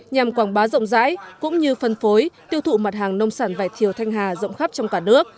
nhằm quảng bá rộng rãi cũng như phân phối tiêu thụ mặt hàng nông sản vải thiều thanh hà rộng khắp trong cả nước